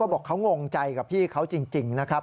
บอกเขางงใจกับพี่เขาจริงนะครับ